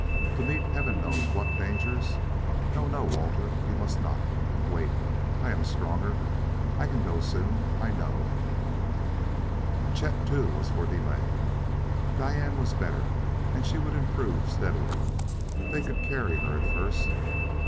"To meet heaven knows what dangers? No, no, Walter; you must not! Wait; I am stronger; I can go soon, I know." Chet, too, was for delay Diane was better, and she would improve steadily. They could carry her, at first.